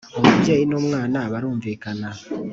Umubyeyi n ‘umwana barumvikana.